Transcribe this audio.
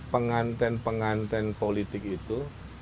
penganten penganten politik itu